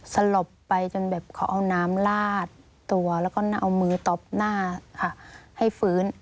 สลบไปจนแบบเขาเอาน้ำลาดตัวแล้วก็เอามือตบหน้าค่ะให้ฟื้น